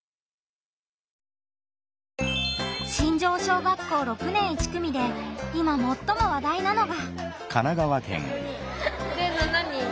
新城小学校６年１組で今もっとも話題なのが。